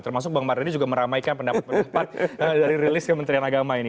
termasuk bang mardhani juga meramaikan pendapat pendapat dari rilis kementerian agama ini